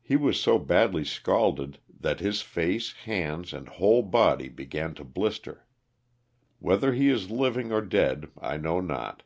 He was so badly scalded that his face, hands and whole body began to blister. Whether he is living or dead I know not.